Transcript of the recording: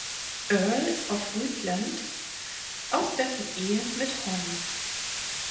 Earl of Rutland aus dessen Ehe mit Hon.